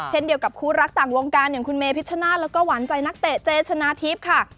เช่นเดียวกับคู่รักต่างวงการอย่างคุณเมพิชชนาธิ์แล้วก็หวานใจนักเตะเจชนะทิพย์ค่ะ